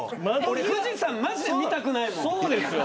富士山、マジで見たくないもん。